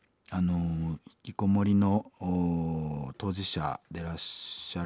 ひきこもりの当事者でらっしゃる